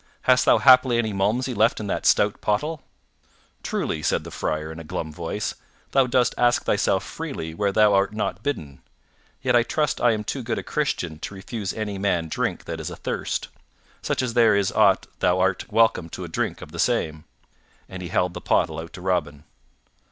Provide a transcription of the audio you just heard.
Hast thou haply any Malmsey left in that stout pottle?" "Truly," said the Friar in a glum voice, "thou dost ask thyself freely where thou art not bidden. Yet I trust I am too good a Christian to refuse any man drink that is athirst. Such as there is o't thou art welcome to a drink of the same." And he held the pottle out to Robin.